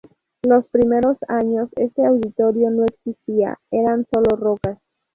Los primeros años este auditorio no existía, eran solo rocas.